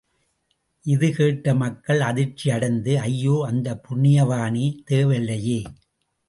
இது கேட்ட மக்கள் அதிர்ச்சி அடைந்து ஐயோ அந்தப் புண்ணியவானே தேவலையே!